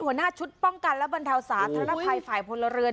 หัวหน้าชุดป้องกันและบรรเทาสาธารณภัยฝ่ายพลเรือน